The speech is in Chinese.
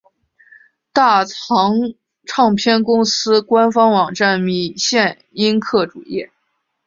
大藏唱片公司官方网站米线音客主页